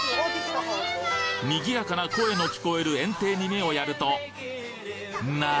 賑やかな声の聞こえる園庭に目をやるとなに！？